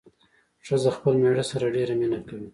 ښځه خپل مېړه سره ډېره مينه کوي